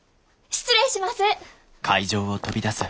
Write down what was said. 失礼します！